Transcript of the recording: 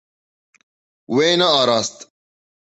Wê nearast.